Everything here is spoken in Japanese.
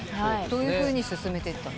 どういうふうに進めてった？